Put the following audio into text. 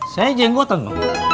saya jenggotan bang